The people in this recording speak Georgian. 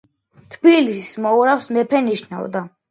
თბილისის მოურავს მეფე ნიშნავდა.